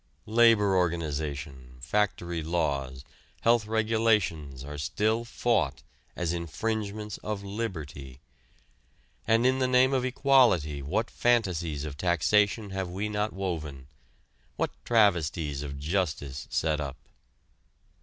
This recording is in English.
Labor organization, factory laws, health regulations are still fought as infringements of liberty. And in the name of equality what fantasies of taxation have we not woven? what travesties of justice set up?